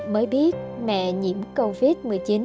mới biết mẹ nhiễm covid một mươi chín